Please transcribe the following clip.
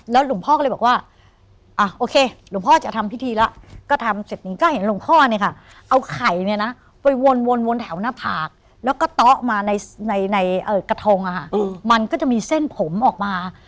หลวงพ่อก็เลยบอกว่าโอเคหลวงพ่อจะทำพิธีแล้วก็ทำเสร็จนี้ก็เห็นหลวงพ่อเนี่ยค่ะเอาไข่เนี่ยนะไปวนแถวหน้าผากแล้วก็เตาะมาในกระทงมันก็จะมีเส้นผมออกมา